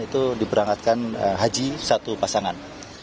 itu diberangkatkan haji satu pasangan